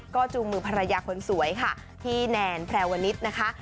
ก็จูงมือภรรยาคนสวยค่ะพี่แนนแพรวนิดนะคะ